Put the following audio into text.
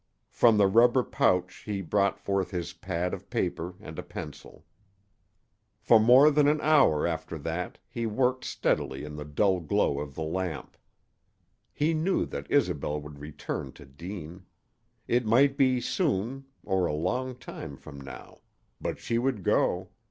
From the rubber pouch he brought forth his pad of paper and a pencil. For more than an hour after that he worked. steadily in the dull glow of the lamp. He knew that Isobel would return to Deane. It might be soon or a long time from now. But she would go.